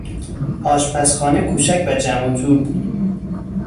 آشپزخانه کوچک و جمع و جور بود.